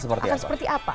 apa tuh akan seperti apa